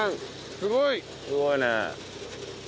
すごいね。